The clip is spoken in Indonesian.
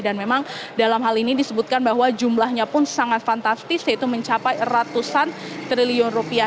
dan memang dalam hal ini disebutkan bahwa jumlahnya pun sangat fantastis yaitu mencapai ratusan triliun rupiah